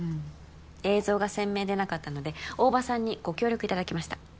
映像が鮮明でなかったので大庭さんにご協力いただきました